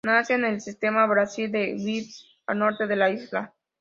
Nace en el sistema glaciar del Vatnajökull, al norte de la isla.